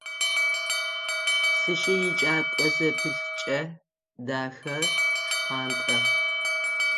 Сшы икӏэко зэпылъ кӏэ, дахэ, шхъуантӏэ.